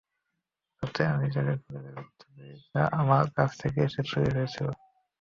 যাতে আমি খুঁজে বের করতে পারি যা আমার কাছ থেকে চুরি হয়েছিল।